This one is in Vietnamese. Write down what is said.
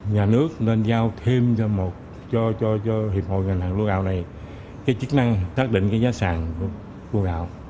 nhà nước nên giao thêm cho hiệp hội ngành hàng lúa gạo này chức năng tác định giá sàng của lúa gạo